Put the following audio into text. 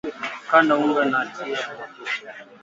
kanda unga na tia mafuta